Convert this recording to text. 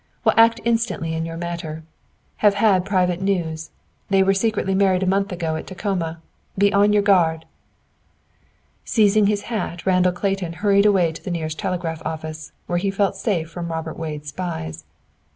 Will act instantly in your matter. Have had private news. They were secretly married a month ago at Tacoma. Be on your guard!" Seizing his hat, Randall Clayton hurried away to the nearest telegraph office, where he felt safe from Robert Wade's spies.